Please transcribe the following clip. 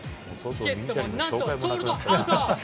チケットもなんとソールドアウト。